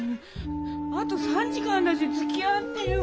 あと３時間だしつきあってよ。